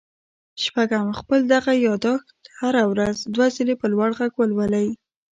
شپږم خپل دغه ياداښت هره ورځ دوه ځله په لوړ غږ ولولئ.